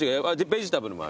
ベジタブルもある。